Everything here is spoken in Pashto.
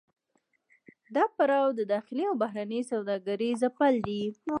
دا پړاو د داخلي او بهرنۍ سوداګرۍ ځپل دي